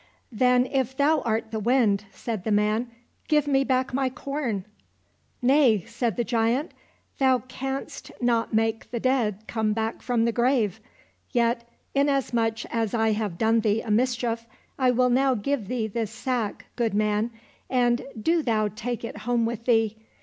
—" Then if thou art the Wind," said the man, " give me back my corn." —" Nay," said the giant ;" thou canst not make the dead come back from the grave. Yet, inasmuch as I have done thee a mischief, I will now give thee this sack, good man, and do thou take it home with thee.